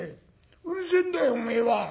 うるせえんだよおめえは」。